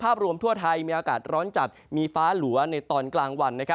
รวมทั่วไทยมีอากาศร้อนจัดมีฟ้าหลัวในตอนกลางวัน